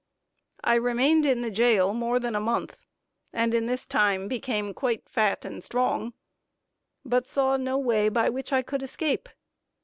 I remained in the jail more than a month, and in this time became quite fat and strong, but saw no way by which I could escape.